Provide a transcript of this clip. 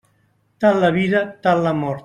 Tal la vida, tal la mort.